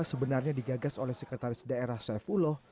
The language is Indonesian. sebenarnya digagas oleh sekretaris daerah saifullah